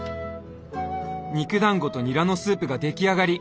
肉だんごとニラのスープが出来上がり。